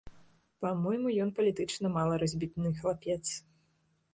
Па-мойму, ён палітычна мала разбітны хлапец.